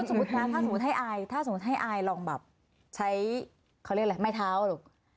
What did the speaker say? สมมุตินะถ้าสมมุติให้อายลองแบบใช้เขาเรียกอะไรไม้เท้าลูก